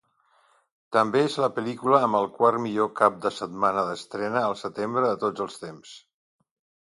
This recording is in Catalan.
També és la pel·lícula amb el quart millor cap de setmana d'estrena al setembre de tots els temps.